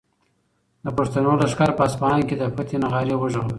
د پښتنو لښکر په اصفهان کې د فتحې نغارې وغږولې.